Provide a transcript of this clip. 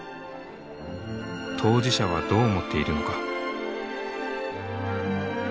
当事者はどう思っているのか？